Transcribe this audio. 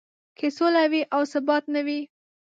که سوله وي او ثبات نه وي.